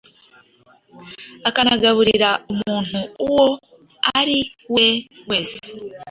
akanagaburira umuntu uwo ari we wese